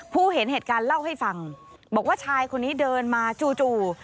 ผู้เห็นเหตุการณ์เล่าให้ฟังบอกว่าชายคนนี้เดินมาจู่